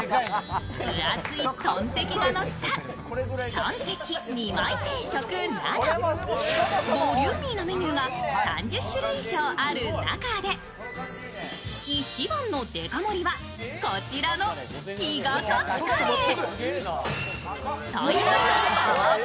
分厚いとんてきがのったとんてき２枚定食など、ボリューミーなメニューが３０種類以上ある中で一番のデカ盛りはこちらのギガかつカレー。